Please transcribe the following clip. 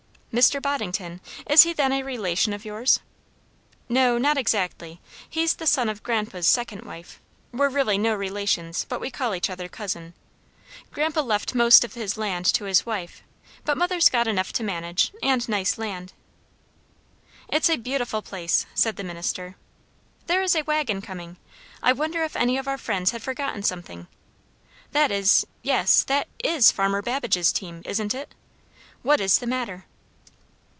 "Mr. Boddington, is he then a relation of yours?" "No, not exactly; he's the son of grandpa's second wife; we're really no relations, but we call each other cousin. Grandpa left the most of his land to his wife; but mother's got enough to manage, and nice land." "It's a beautiful place!" said the minister. "There is a waggon coming; I wonder if any of our friends have forgotten something? That is yes, that is farmer Babbage's team; isn't it? What is the matter?"